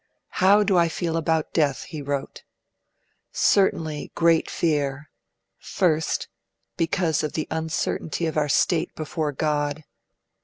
'How do I feel about Death?' he wrote. 'Certainly great fear: 1. Because of the uncertainty of our state before God.